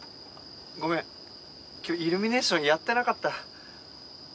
ごめん今日イルミネーションやってなかった。